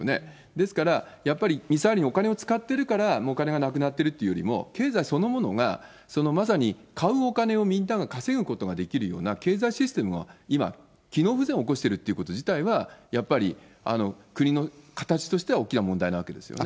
ですから、やっぱりミサイルにお金を使ってるから、お金がなくなってるっていうよりも、経済そのものが、そのまさに、買うお金をみんなが稼ぐことができるような経済システムが今、機能不全を起こしてるってこと自体は、やっぱり国の形としては大きな問題なわけですよね。